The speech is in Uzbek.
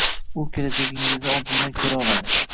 U kelajagingizni oldindan ko’ra oladi.